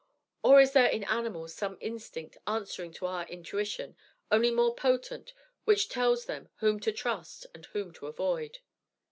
Or is there in animals some instinct, answering to our intuition, only more potent, which tells them whom to trust and whom to avoid?